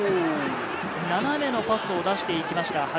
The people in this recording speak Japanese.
斜めのパスを出していきました。